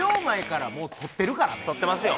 撮ってますよ